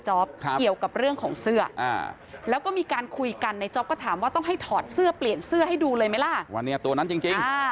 หัวถามว่าต้องให้ถอดเสื้อปลูยเสื้อให้ดูเลยไหมล่ะวันนี้ตัวนั้นจริง